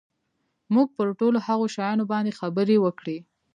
موږ پر ټولو هغو شیانو باندي خبري وکړې.